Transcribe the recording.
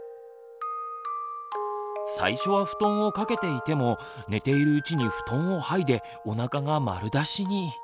最初は布団を掛けていても寝ているうちに布団をはいでおなかが丸出しに。